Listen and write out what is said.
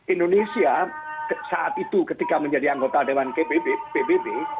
indonesia saat itu ketika menjadi anggota dewan pbb